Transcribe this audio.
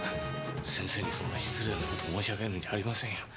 先生にそんな失礼な事申し上げるんじゃありませんよ。